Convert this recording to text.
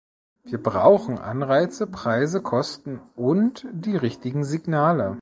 Wir brauchen Anreize, Preise, Kosten und die richtigen Signale.